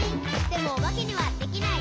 「でもおばけにはできない。」